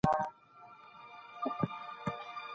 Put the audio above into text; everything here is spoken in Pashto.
د تاریخ پوهاوی د تجربې کار دی.